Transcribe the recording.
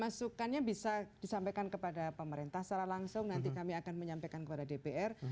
masukannya bisa disampaikan kepada pemerintah secara langsung nanti kami akan menyampaikan kepada dpr